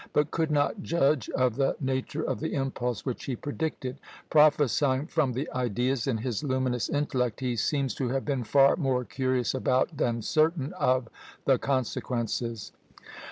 but could not judge of the nature of the impulse which he predicted; prophesying from the ideas in his luminous intellect, he seems to have been far more curious about, than certain of, the consequences.